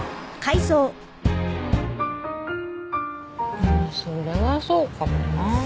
まあそれはそうかもな。